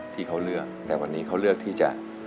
ที่เขาเลือกแต่วันนี้เขาเลือกที่จะ